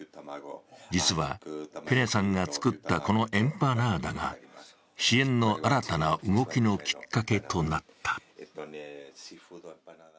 実は、ペニャさんが作った、このエンパナーダが支援の新たな動きのきっかけとなった。